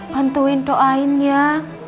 bantuin doang ya